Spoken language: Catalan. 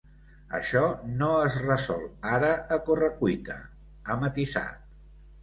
“Això no es resol ara, a correcuita”, ha matisat.